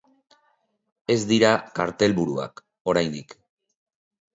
Ez dira kartelburuak, oraindik.